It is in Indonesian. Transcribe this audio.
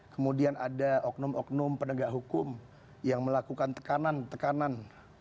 kemudian ada oknum oknum penegak hukum yang melakukan tekanan tekanan